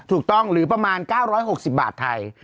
ถูกต้องหรือประมาณ๙๖๐บาทไทย